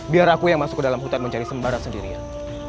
biar aku yang masuk ke dalam hutan mencari sembarang sendirian